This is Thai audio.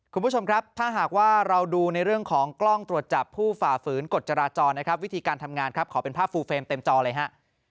คุณผู้ชมครับถ้าหากว่าเราดูในเรื่องของกล้องตรวจจับผู้ฝ่าฝืนกฎจราจรนะครับวิธีการทำงานครับขอเป็นภาพฟูเฟรมเต็มจอเลยฮะ